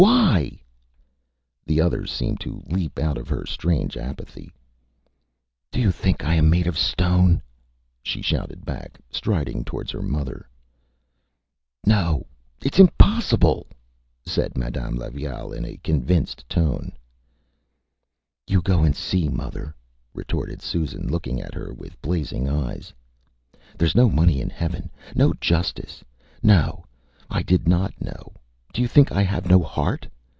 Why?Â The other seemed to leap out of her strange apathy. ÂDo you think I am made of stone?Â she shouted back, striding towards her mother. ÂNo! ItÂs impossible .. .Â said Madame Levaille, in a convinced tone. ÂYou go and see, mother,Â retorted Susan, looking at her with blazing eyes. ÂThereÂs no money in heaven no justice. No! ... I did not know. ... Do you think I have no heart?